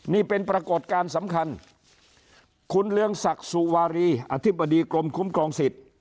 นี่เป็นปรากฏการณ์สำคัญคุณเรืองศักดิ์สุวารีอธิบดีกรมคุ้มครองสิทธิ์